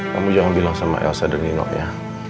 kamu jangan bilang sama elsa dan nino ya